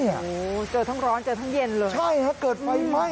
โอ้โฮเกิดทั้งร้อนเกิดทั้งเย็นเลย